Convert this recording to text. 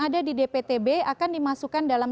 ada di dptb akan dimasukkan dalam